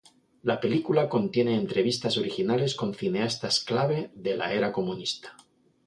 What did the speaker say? La película contiene entrevistas originales con cineastas clave de la era comunista.